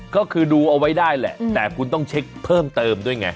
ก็คือดูเอาไว้ได้แหละแต่คุณต้องเช็คเพิ่มเติมด้วยไง